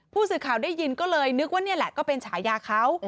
ผู้สื่อข่าวได้ยินก็เลยนึกว่านี่แหละก็เป็นฉายาเขา